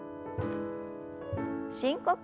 深呼吸。